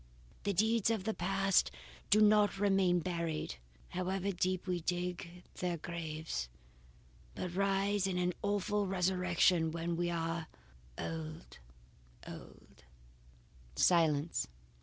The deeds of the past do not remain buried, however deep we dig their graves, but rise in an awful resurrection when we are old old " Silence.